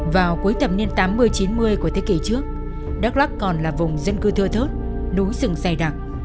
vào cuối thập niên tám mươi chín mươi của thế kỷ trước đắk lắc còn là vùng dân cư thưa thớt núi rừng dày đặc